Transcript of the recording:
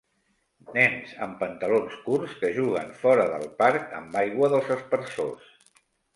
Nens amb pantalons curts que juguen fora del parc amb aigua dels aspersors.